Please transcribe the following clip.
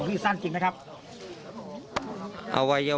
หลุมพี่สั้นจริงไหมครับ